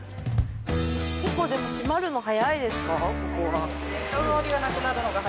結構でも閉まるの早いですかここは？